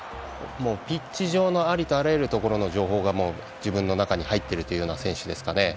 ピッチ上のありとあらゆるところの情報が自分の中に入っているというような選手ですね。